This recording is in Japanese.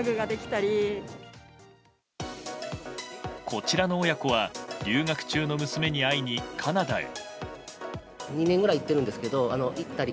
こちらの親子は留学中の娘に会いにカナダへ。